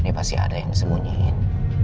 ini pasti ada yang disembunyiin